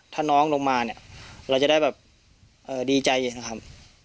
ถ้าน้องลงมาเนี่ยเราจะได้แบบดีใจเย็นนะครับ